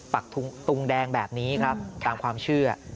ปักตุงแดงแบบนี้ครับตามความเชื่อ